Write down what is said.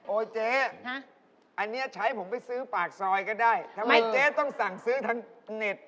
เจ๊อันนี้ใช้ผมไปซื้อปากซอยก็ได้ทำไมเจ๊ต้องสั่งซื้อทางเน็ต